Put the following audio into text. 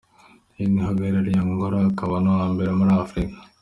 Uyu niwe uhagarariye Angola akaba ari n'uwa mbere muri Afrika.